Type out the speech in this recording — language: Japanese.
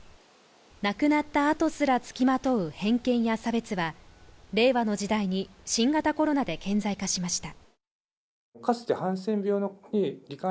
亡くなった後すらつきまとう偏見や差別は、令和の時代に、新型コロナで顕在化しました。